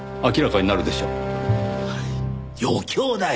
余興だよ。